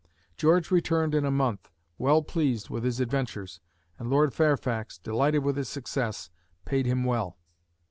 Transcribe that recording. George returned in a month, well pleased with his adventures, and Lord Fairfax, delighted with his success, paid him well.